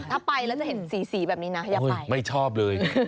ถ้าไปแล้วจะเห็นสีแบบนี้นะยังไงไม่ชอบเลย